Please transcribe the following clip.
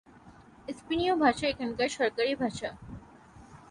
স্পেনীয় ভাষা এখানকার সরকারি ভাষা।